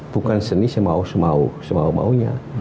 bukan seni semau semau semau maunya